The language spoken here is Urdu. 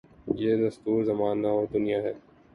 یہ دستور زمانہ و دنیاہے۔